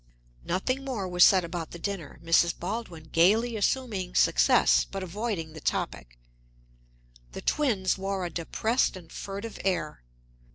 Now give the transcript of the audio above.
Nothing more was said about the dinner, Mrs. Baldwin gaily assuming success, but avoiding the topic. The twins wore a depressed and furtive air.